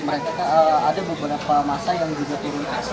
mereka ada beberapa masa yang juga turun